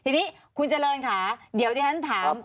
ทีนี้คุณเจริญค่ะเดี๋ยวที่ฉันถาม